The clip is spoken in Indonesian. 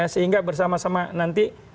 sehingga bersama sama nanti